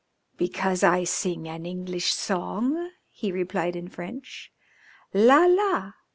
"Because I sing an English song?" he replied in French. "_La! la!